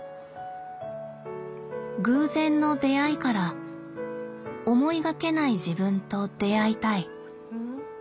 偶然の出会いから思いがけない自分と出会いたい。